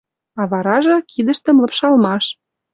А варажы — кидӹштӹм лыпшалмаш